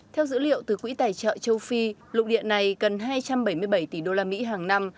theo dữ liệu từ quỹ tài trợ châu phi lụng điện này cần hai trăm bảy mươi bảy tỷ đô la mỹ hàng năm